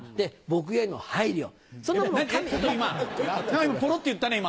僕への配慮。